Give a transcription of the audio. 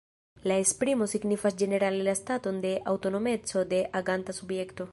La esprimo signifas ĝenerale la staton de aŭtonomeco de aganta subjekto.